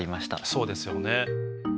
そうですよね。